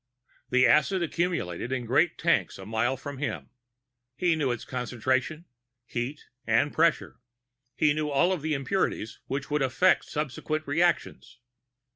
The acid accumulated in great tanks a mile from him. He knew its concentration, heat and pressure; he knew of all the impurities which would affect subsequent reactions.